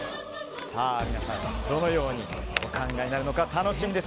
皆さん、どのようにお考えになるのか楽しみです。